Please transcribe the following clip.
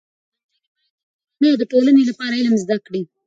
نجونې باید د کورنۍ او ټولنې لپاره علم زده کړي.